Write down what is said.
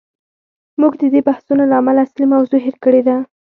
موږ د دې بحثونو له امله اصلي موضوع هیر کړې ده.